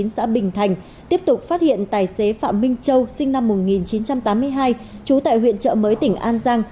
xã bình thành tiếp tục phát hiện tài xế phạm minh châu sinh năm một nghìn chín trăm tám mươi hai trú tại huyện trợ mới tỉnh an giang